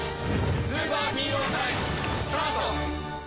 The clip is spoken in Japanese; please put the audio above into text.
スーパーヒーロータイムスタート！